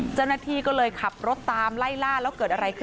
เจ้าหน้าที่ก็เลยขับรถตามไล่ล่าแล้วเกิดอะไรขึ้น